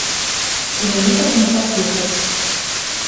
І мяне павінны паслухаць.